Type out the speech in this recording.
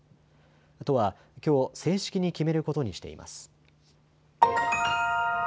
都は、きょう正式に決めることにしています。